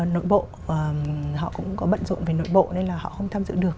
nội bộ họ cũng có bận rộn về nội bộ nên là họ không tham dự được